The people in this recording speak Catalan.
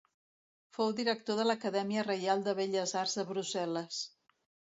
Fou director de l'Acadèmia Reial de Belles Arts de Brussel·les.